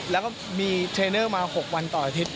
แล้วก็มีเทรนเนอร์มา๖วันต่ออาทิตย